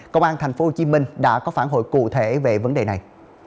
công an tp hcm đã có phản hồi cụ thể về vấn đề này